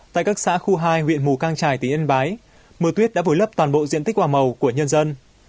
tại các xã khu hai huyện mù căng trải tỉnh yên bái mưa tuyết đã vùi lấp toàn bộ diện tích hòa màu của nhân dân